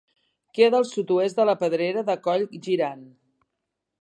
Queda al sud-oest de la Pedrera de Coll Girant.